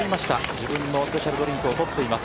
自分のスペシャルドリンクを取っています。